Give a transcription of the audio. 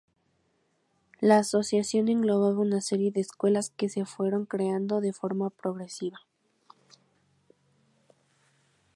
La asociación englobaba una serie de escuelas que se fueron creando de forma progresiva.